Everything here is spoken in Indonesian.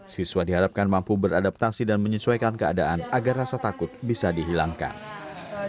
siswa diharapkan mampu beradaptasi dan menyesuaikan keadaan agar rasa takut bisa dihilangkan